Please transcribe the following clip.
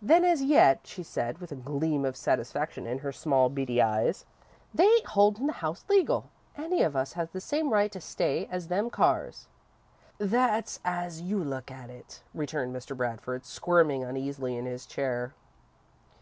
"Then, as yet," she said, with a gleam of satisfaction in her small, beady eyes, "they ain't holdin' the house legal. Any of us has the same right to stay as them Carrs." "That's as you look at it," returned Mr. Bradford, squirming uneasily in his chair.